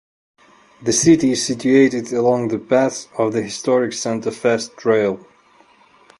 The city is situated along the path of the historic Santa Fe Trail.